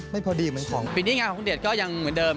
ปีนี้งานของคุณเดชน์ก็ยังเหมือนเดิม